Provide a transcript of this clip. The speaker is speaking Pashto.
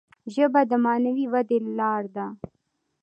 ژبه د معنوي ودي لاره ده.